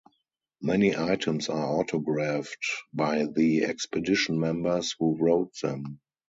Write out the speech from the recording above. Many items are autographed by the expedition members who wrote them.